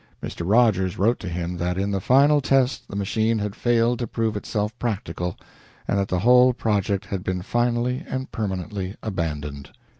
Mr. Rogers wrote to him that in the final test the machine had failed to prove itself practical and that the whole project had been finally and permanently abandoned.